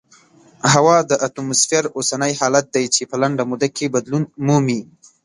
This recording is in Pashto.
هوا د اتموسفیر اوسنی حالت دی چې په لنډه موده کې بدلون مومي.